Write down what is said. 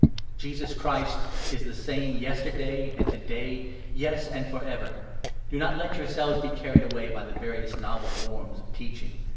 Jesus Christ is the same yesterday and to day 8 — yes, and for ever ! Do not let yourselves be carried away 9 by the various novel forms of teaching.